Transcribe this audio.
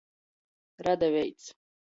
Radaveits.